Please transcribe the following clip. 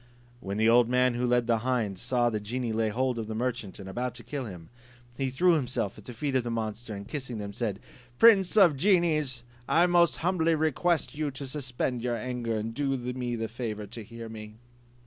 When the old man who led the hind saw the genie lay hold of the merchant, and about to kill him, he threw himself at the feet of the monster, and kissing them, said to him, "Prince of genies, I most humbly request you to suspend your anger, and do me the favour to hear me.